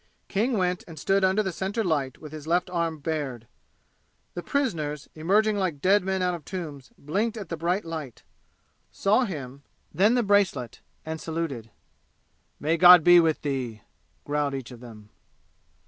King went and stood under the center light with his left arm bared. The prisoners, emerging like dead men out of tombs, blinked at the bright light saw him then the bracelet and saluted. "May God be with thee!" growled each of them.